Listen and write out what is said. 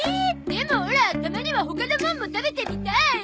でもオラたまには他のもんも食べてみたい。